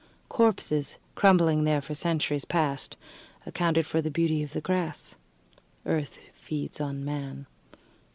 Corpses, crumbling there for centuries past, accounted for the beauty of the grass. Earth feeds on man.